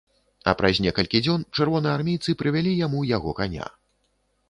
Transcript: А праз некалькі дзён чырвонаармейцы прывялі яму яго каня.